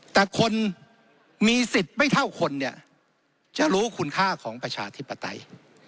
แต่คนมีสิทธิ์ไม่เท่าคนเนี่ยจะรู้คุณค่าของประชาธิปไตย